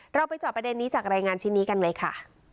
เราไปจอบประเด็นนี้จากรายงานชิ้นนี้กันเลยค่ะ